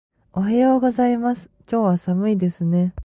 おはようございます。今日は寒いですね。